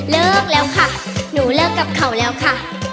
เลิกแล้วค่ะหนูเลิกกับเขาแล้วค่ะ